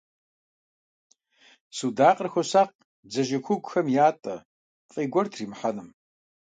Судакъыр хуосакъ бдзэжьей хугухэм ятӀэ, фӀей гуэр тримыхьэным.